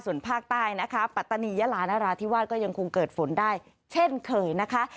ส่วนภาคใต้นะคะปัตตานียาลานราธิวาสก็ยังคงเกิดฝนได้เช่นเคยนะคะ